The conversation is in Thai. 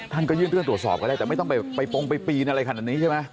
ท่านก็ยื่นเรื่องตรวจสอบก็ได้แต่ไม่ต้องไปปงไปปีนอะไรขนาดนี้ใช่ไหม